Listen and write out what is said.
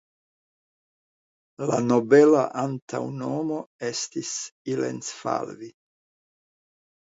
Lia nobela antaŭnomo estis "ilencfalvi".